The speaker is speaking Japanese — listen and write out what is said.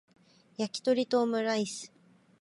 やきとりとオムライス